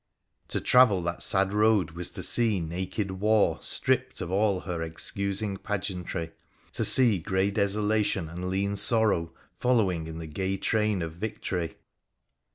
To travel that sad road was to see naked War stripped of all her excusing pageantry, to pee grey desolation and lean sorrow following in the gay train of victory.